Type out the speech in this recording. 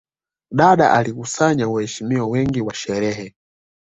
Dada alikusanya waheshimiwa wengi wa sherehe